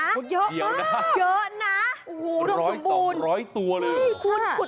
เยอะมากเยอะนะโอ้โฮร้อยสองร้อยตัวเลย